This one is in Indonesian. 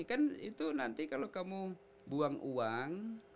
kan itu nanti kalau kamu buang uang